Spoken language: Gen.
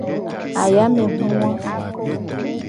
Ayamehu wa.